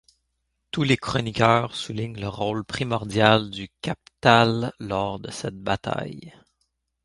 Tous les chroniqueurs soulignent le rôle primordial du captal lors de cette bataille.